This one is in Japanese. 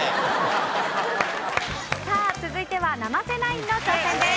さあ続いては生瀬ナインの挑戦です。